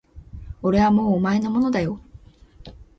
俺はもうお前のものだよ